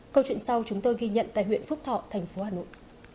câu chuyện sau chúng tôi ghi nhận tại huyện phúc thọ thành phố hà nội